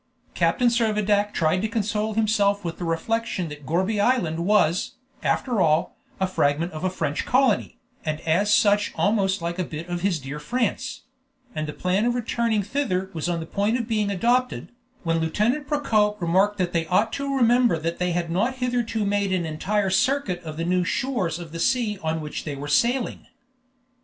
Captain Servadac tried to console himself with the reflection that Gourbi Island was, after all, a fragment of a French colony, and as such almost like a bit of his dear France; and the plan of returning thither was on the point of being adopted, when Lieutenant Procope remarked that they ought to remember that they had not hitherto made an entire circuit of the new shores of the sea on which they were sailing.